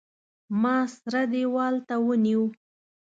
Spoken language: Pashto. ما سره دېوال ته ونیو.